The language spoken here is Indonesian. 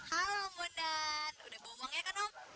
halo bunda udah bohong ya kan om